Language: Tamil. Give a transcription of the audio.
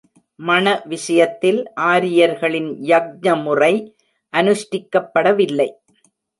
மண விஷயத்தில் ஆரியர்களின் யக்ஞ முறை அனுஷ்டிக்கப்படவில்லை.